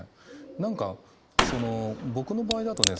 何かその僕の場合だとね